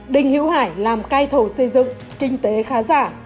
đình hữu hải làm cai thầu xây dựng kinh tế khá giả